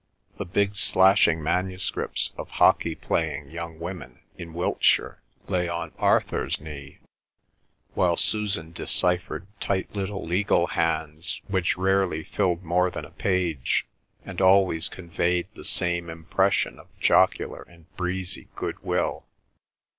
The big slashing manuscripts of hockey playing young women in Wiltshire lay on Arthur's knee, while Susan deciphered tight little legal hands which rarely filled more than a page, and always conveyed the same impression of jocular and breezy goodwill.